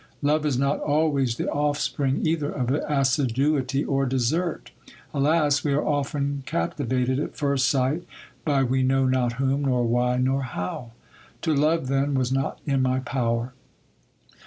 Love is not always the offspring either of assiduity or desert. Alas ! we are often cap tivated at first sight by we know not whom, nor why, nor how. To love, then, was not in my power.